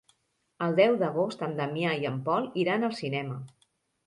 El deu d'agost en Damià i en Pol iran al cinema.